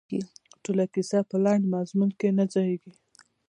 ټوله کیسه په لنډ مضمون کې نه ځاییږي.